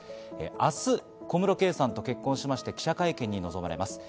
明日、小室圭さんと結婚しまして記者会見に臨まれます。